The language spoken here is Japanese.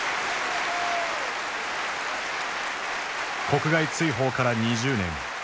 国外追放から２０年。